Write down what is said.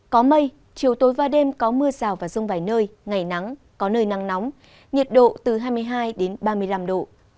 có mây chiều tối và đêm có mưa rào và rông vài nơi ngày nắng có nơi nắng nóng nhiệt độ từ hai mươi hai ba mươi năm độ